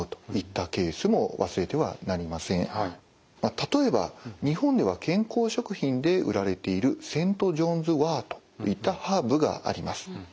例えば日本では健康食品で売られているセントジョーンズワートといったハーブがあります。